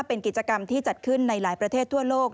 เป็นกิจกรรมที่จัดขึ้นในหลายประเทศทั่วโลก